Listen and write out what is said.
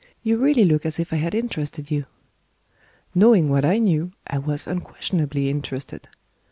You really look as if I had interested you." Knowing what I knew, I was unquestionably interested.